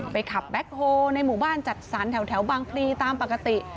ขับแบ็คโฮลในหมู่บ้านจัดสรรแถวบางพลีตามปกติ